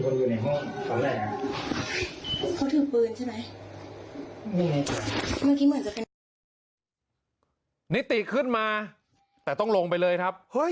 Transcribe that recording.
เขาถือปืนใช่ไหมนิติขึ้นมาแต่ต้องลงไปเลยครับเฮ้ย